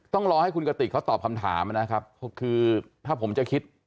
ต้องรอให้คุณกติกเขาตอบคำถามนะครับคือถ้าผมจะคิด